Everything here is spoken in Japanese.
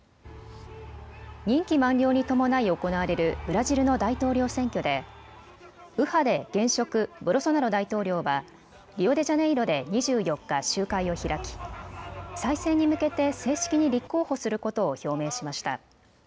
任期満了に伴い行われるブラジルの大統領選挙で右派で現職、ボルソナロ大統領はリオデジャネイロで２４日、集会を開き再選に向けて正式に立候補することを表明しました。